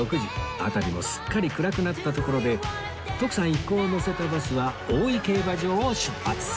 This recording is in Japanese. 辺りもすっかり暗くなったところで徳さん一行を乗せたバスは大井競馬場を出発